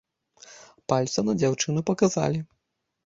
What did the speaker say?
Пальцам на дзяўчыну паказалі.